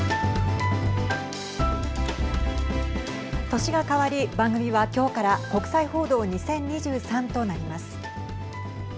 年が変わり、番組は今日から国際報道２０２３となります。